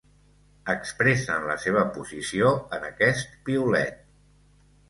Expressen la seva posició en aquest piulet.